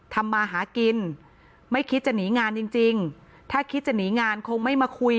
ทำมาหากินไม่คิดจะหนีงานจริงจริงถ้าคิดจะหนีงานคงไม่มาคุย